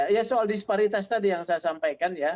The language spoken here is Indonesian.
ya soal disparitas tadi yang saya sampaikan ya